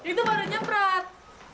itu pada nyemprot